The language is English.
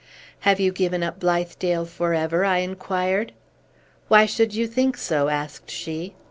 "Have you given up Blithedale forever?" I inquired. "Why should you think so?" asked she.